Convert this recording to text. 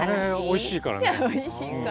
おいしいからね。